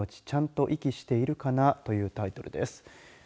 ちゃんと息しているかなというタイトルです。